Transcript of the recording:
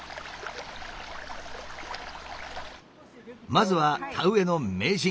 まずは田植えの名人